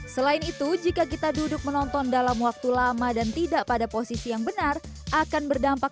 selain itu jika kita duduk menonton dalam waktu lama dan tidak pada posisi yang benar akan berdampak